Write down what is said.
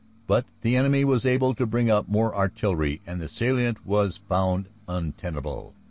But the enemy was able to bring up more artillery and the salient was found untenable.